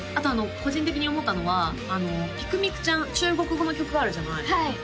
個人的に思ったのはピクミクちゃん中国語の曲あるじゃない